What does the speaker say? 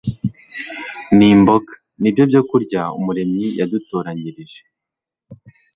Ni mboga ni byo byokurya Umuremyi yadutoranyirije